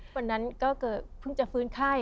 วันนั้นก็คือเพิ่งจะฟื้นไข้